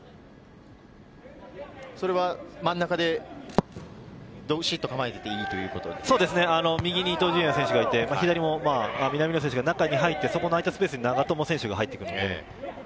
それは真ん中で右に伊東純也選手がいて、左も南野選手が中に入って空いたスペースに長友選手が入ってくる。